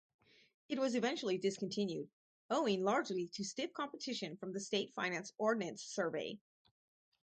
It was eventually discontinued owing largely to stiff competition from the state-financed Ordnance Survey.